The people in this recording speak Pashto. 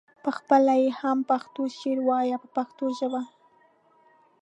پخپله یې هم پښتو شعر وایه په پښتو ژبه.